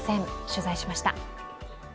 取材しました。